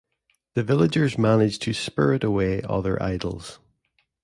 The villagers managed to spirit away other idols.